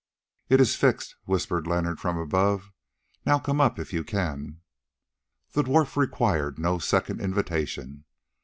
"It is fixed," whispered Leonard from above. "Now come up if you can." The dwarf required no second invitation.